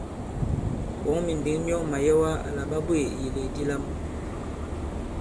Ɓɔ̌ŋ mìndǐŋ myɔŋ màyɛwa àla ɓa bweè ìyèlèk di lam.